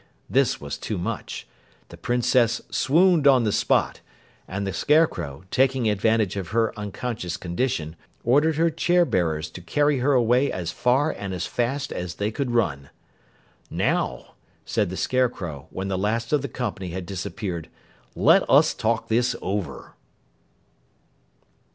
This was too much. The Princess swooned on the spot, and the Scarecrow, taking advantage of her unconscious condition, ordered her chair bearers to carry her away as far and as fast as they could run. "Now," said the Scarecrow when the last of the company had disappeared, "let us talk this over."